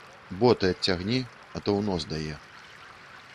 Боты адцягні, а то ў нос дае.